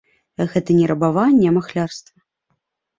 Гэта не рабаванне, а махлярства.